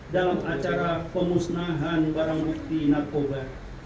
dalam acara pemusnahan barang bukti narkoba